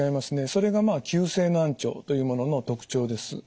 それがまあ急性難聴というものの特徴です。